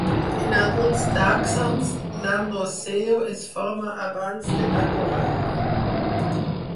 En alguns tàxons, l'androceu es forma abans de la corol·la.